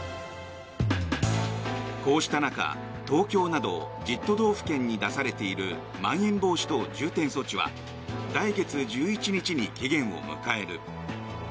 こうした中、東京など１０都道府県に出されているまん延防止等重点措置は来月１１日に期限を迎える。